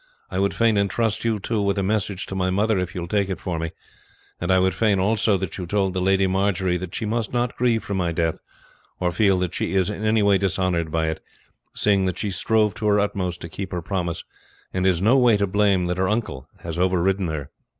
I would fain intrust you, too, with a message to my mother if you will take it for me; and I would fain also that you told the Lady Marjory that she must not grieve for my death, or feel that she is in any way dishonoured by it, seeing that she strove to her utmost to keep her promise, and is in no way to blame that her uncle has overriden her."